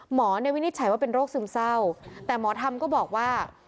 หมอเนี่ยวินิจฉัยว่าเป็นโรคซึมเศร้าแต่หมอธรรมก็บอกว่า